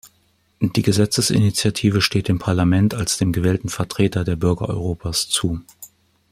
Die Gesetzesinitiative steht dem Parlament als dem gewählten Vertreter der Bürger Europas zu.